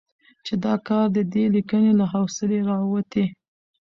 چې دا کار د دې ليکنې له حوصلې راوتې